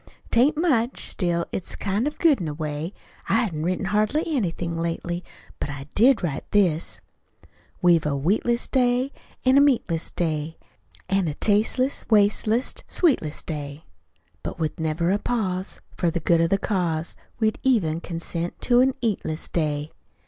'Tain't much; still, it's kind of good, in a way. I hain't written hardly anything lately; but I did write this: We've a wheatless day, An' a meatless day, An' a tasteless, wasteless, sweetless day. But with never a pause, For the good of the cause, We'd even consent to an eatless day.